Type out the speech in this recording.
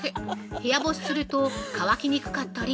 部屋干しすると乾きにくかったり